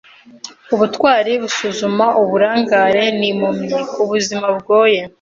Ubutwari busuzuma; uburangare ni impumyi. Ubuzima bugoye.